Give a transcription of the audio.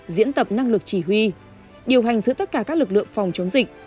diễn tập năng lực chỉ huy điều hành giữa tất cả các lực lượng phòng chống dịch